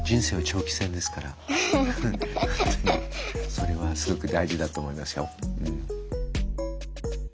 それはすごく大事だと思いますよ。